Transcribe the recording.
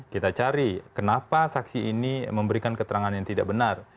kita cari kenapa saksi ini memberikan keterangan yang tidak benar